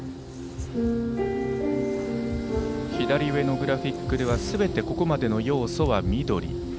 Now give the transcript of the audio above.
左上のグラフィックではすべて、ここまでの要素は緑。